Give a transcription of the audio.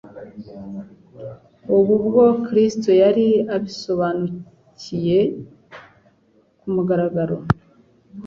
Ubu bwo Kristo yari abisobanuye ku mugaragaro.